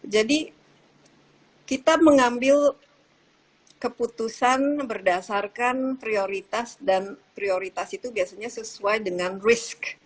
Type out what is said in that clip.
jadi kita mengambil keputusan berdasarkan prioritas dan prioritas itu biasanya sesuai dengan risk